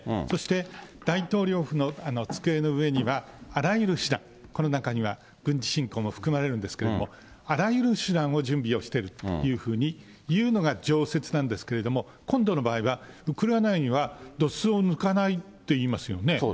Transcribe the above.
そして大統領府の机の上には、あらゆる手段、この中には軍事侵攻も含まれるんですけれども、あらゆる手段を準備をしているというふうにいうのが常設なんですけれども、今度の場合は、ウクライナにはどすを抜かないっていいますよね。